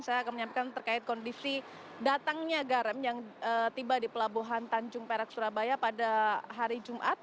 saya akan menyampaikan terkait kondisi datangnya garam yang tiba di pelabuhan tanjung perak surabaya pada hari jumat